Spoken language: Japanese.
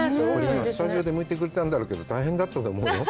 スタジオでむいてくれたんだろうけど、大変だったと思うよ。